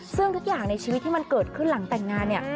ซึ่งทุกอย่างในชีวิตที่มันเกิดขึ้นหลังแต่งงานเนี่ย